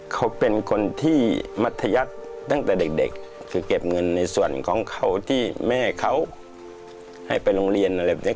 เขาเป็นคนที่มัธยัติตั้งแต่เด็กคือเก็บเงินในส่วนของเขาที่แม่เขาให้ไปโรงเรียนอะไรแบบนี้